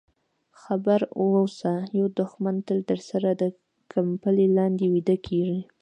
خبر واوسه یو دښمن تل درسره د کمپلې لاندې ویده کېږي.